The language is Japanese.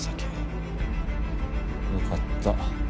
よかった。